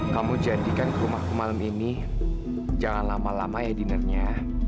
kamu jadikan ke rumahku malam ini jangan lama lama ya dinnernya